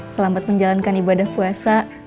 selamat menjalankan ibadah puasa